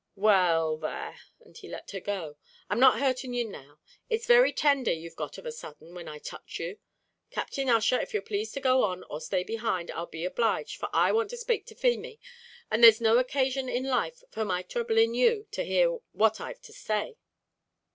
"Well there," and he let her go, "I'm not hurting you now; it's very tender you've got of a sudden, when I touch you. Captain Ussher, if you'll plaze to go on, or stay behind, I'll be obliged, for I want to spake to Feemy; and there's no occasion in life for my throubling you to hear what I've to say."